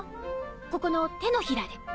ここの手のひらで。